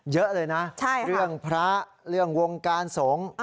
เยอะเลยนะเรื่องพระเรื่องวงการสงฆ์